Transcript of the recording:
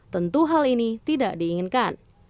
tentu hal ini tidak diinginkan